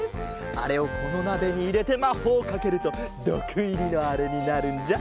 あれをこのなべにいれてまほうをかけるとどくいりのあれになるんじゃ。